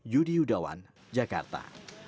yudi yudawan jakarta